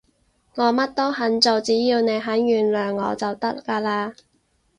我乜都肯做，只要你肯原諒我就得㗎喇